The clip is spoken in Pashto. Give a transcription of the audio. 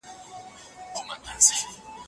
ته چي را سره یې له انار سره مي نه لګي